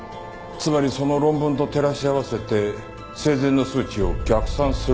つまりその論文と照らし合わせて生前の数値を逆算するって事か。